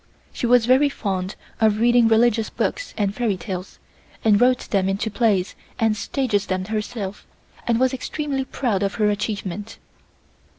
She was very fond of reading religious books and fairy tales, and wrote them into plays and staged them herself, and was extremely proud of her achievement.